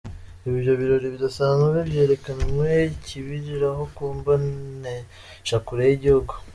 Ivyo birori bidasanzwe vyerekanywe ikibiriraho ku mboneshakure y'igihugu.